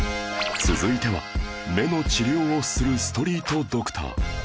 続いては目の治療をするストリートドクター